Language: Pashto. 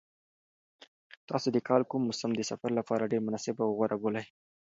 تاسو د کال کوم موسم د سفر لپاره ډېر مناسب او غوره بولئ؟